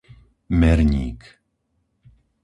Merník